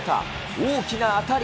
大きな当たり。